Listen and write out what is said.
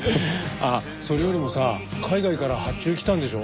あっそれよりもさ海外から発注来たんでしょ？